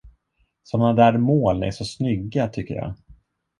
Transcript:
Sådana där moln är så snygga, tycker jag.